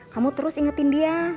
kamu terus ingetin dia